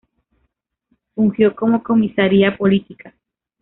Fungió como comisaría política.